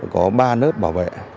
có ba nớp bảo vệ